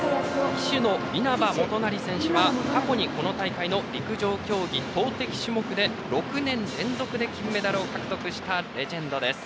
旗手の稲葉統也選手は過去にこの大会の陸上競技投てき種目で６年連続で金メダルを獲得したレジェンドです。